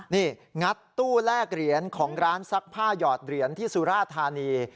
นี่งัดตู้แลกเหรียญของร้านซักผ้าหยอดเหรียญที่สุราธานี